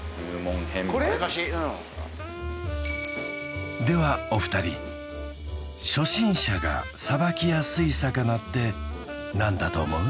わりかしうんではお二人初心者が捌きやすい魚って何だと思う？